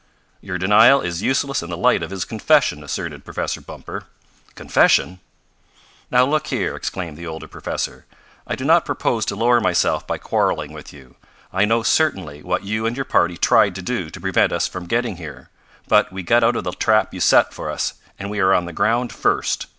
"Your denial is useless in the light of his confession," asserted Professor Bumper. "Confession?" "Now look here!" exclaimed the older professor, "I do not propose to lower myself by quarreling with you. I know certainly what you and your party tried to do to prevent us from getting here. But we got out of the trap you set for us, and we are on the ground first.